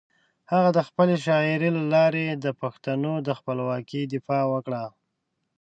هغه د خپلې شاعري له لارې د پښتنو د خپلواکۍ دفاع وکړه.